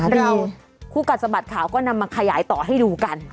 คู่กัดสะบัดข่าวก็นำมาขยายต่อให้ดูกัน